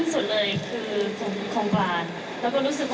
ในเรื่องของการท้องก่อนวัยอันควร